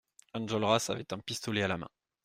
Enjolras avait un pistolet à la main.